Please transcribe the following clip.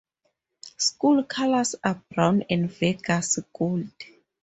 School colors are brown and Vegas gold.